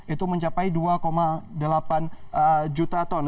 itu mencapai dua delapan juta ton